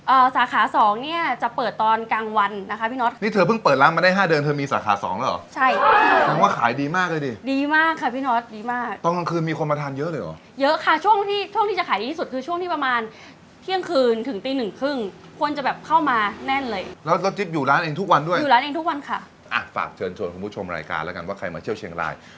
อ่าสาขาสองเนี้ยจะเปิดตอนกลางวันนะคะพี่น็อตนี้เธอเพิ่งเปิดร้านมาได้ห้าเดือนเธอมีสาขาสองแล้วเหรอใช่คือคือมีคนมาทานเยอะเลยเหรอเยอะค่ะช่วงที่ช่วงที่จะขายที่สุดคือช่วงที่ประมาณเที่ยงคืนถึงตีหนึ่งครึ่งควรจะแบบเข้ามาแน่นเลยแล้วรถจิ๊บอยู่ร้านเองทุกวันด้วยอยู่ร้านเองทุกวันค่ะอ่ะฝากเชิญ